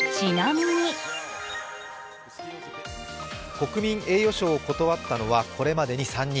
国民栄誉賞を断ったのはこれまでに３人。